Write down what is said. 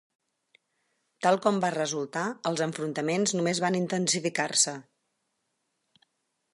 Tal com va resultar, els enfrontaments només van intensificar-se.